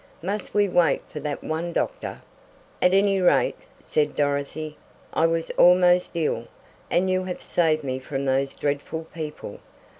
Must we wait for that one doctor?" "At any rate," said Dorothy, "I was almost ill, and you have saved me from those dreadful people.